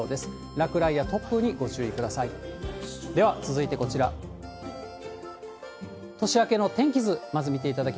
落雷や突風にご注意ください。